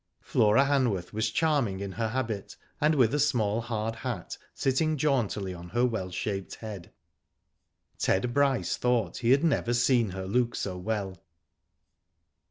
Flora Hanworth was charming in her habit, and with a small hard hat sitting jauntily on her well shaped head. Ted Bryce thought he had never seen her look so well.